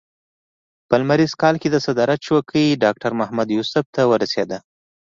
په لمریز کال کې د صدارت څوکۍ ډاکټر محمد یوسف ته ورسېده.